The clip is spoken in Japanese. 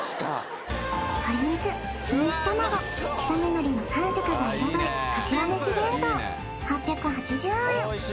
鶏肉錦糸卵刻みのりの３色が彩るかしわめし弁当８８０円